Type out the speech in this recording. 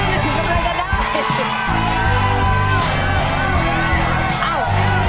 เอ้าใจเย็นอย่าเพราะมีเวลา